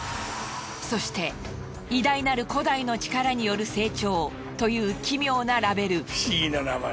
そして「偉大なる古代の力による成長」という奇妙なラベル。